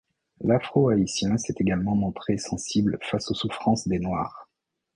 L'Afro-haïtien s'est également montré sensible face aux souffrances des Noirs.